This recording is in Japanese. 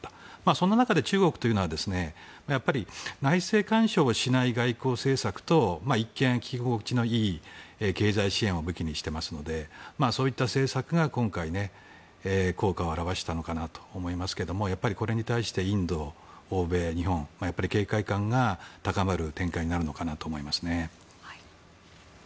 そんな中で中国というのは内政干渉をしない外交政策と一見、聞き心地のいい経済支援を武器にしていますのでそういった政策が今回効果を表したのかなと思いますがこれに対してインド、欧米、日本警戒感が高まる展開になるのかなと思いますね。